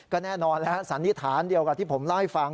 ก็แน่นอนแล้วสันนิษฐานเดียวกับที่ผมเล่าให้ฟัง